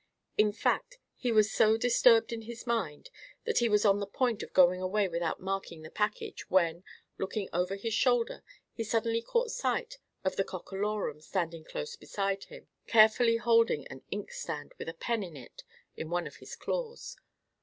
In fact, he was so disturbed in his mind that he was on the point of going away without marking the package, when, looking over his shoulder, he suddenly caught sight of the Cockalorum standing close beside him, carefully holding an inkstand, with a pen in it, in one of his claws.